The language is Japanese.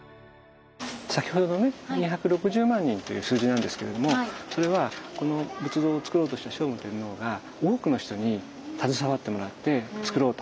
先ほどのね２６０万人という数字なんですけれどもそれはこの仏像をつくろうとした聖武天皇が多くの人に携わってもらってつくろうと。